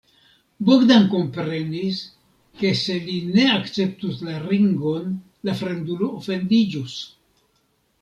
Bogdan komprenis, ke se li ne akceptus la ringon, la fremdulo ofendiĝus.